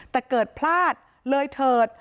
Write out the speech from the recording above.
แต่เกิดพลาดเลยเถิด